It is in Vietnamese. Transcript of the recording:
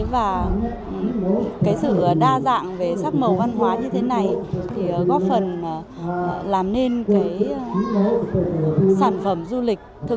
và cái sự đa dạng về sắc màu văn hóa như thế này thì góp phần làm nên cái sản phẩm du lịch